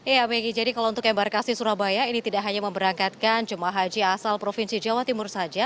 ya maggie jadi kalau untuk embarkasi surabaya ini tidak hanya memberangkatkan jemaah haji asal provinsi jawa timur saja